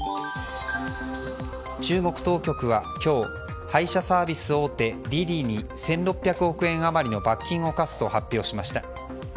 中国当局は今日配車サービス大手ＤｉＤｉに１６００億円余りの罰金を科すと発表しました。